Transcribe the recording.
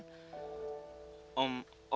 ya sebenernya ini juga salah mereka berdua ken